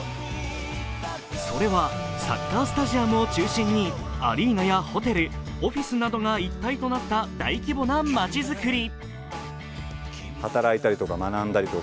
それは、サッカースタジアムを中心に、アリーナやホテル、オフィスなどが一体となった大規模なまちづくり。